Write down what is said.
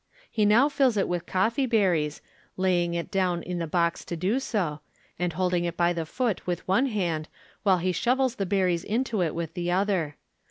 He now fills it with coffee berries, laying it down in the box to do so, and holding it by the foot with one hand while he shovels the berries into it with the other.